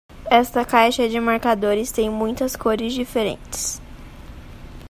Esta caixa de marcadores tem muitas cores diferentes.